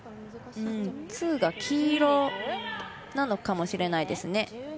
ツーが黄色なのかもしれないですね。